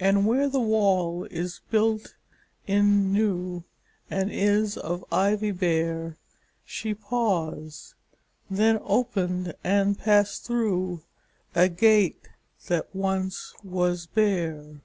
And where the wall is built in new And is of ivy bare She paused then opened and passed through A gate that once was there.